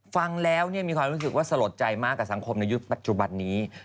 ฟังแล้วมีความรู้สึกว่าสลดใจมากกับสังคมในยุคปัจจุบันนี้